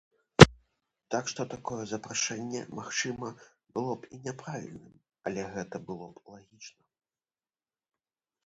Так што такое запрашэнне, магчыма, было б і няправільным, але гэта было б лагічна.